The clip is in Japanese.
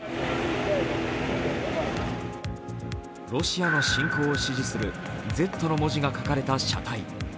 ロシアの侵攻を支持する「Ｚ」の文字が書かれた車体。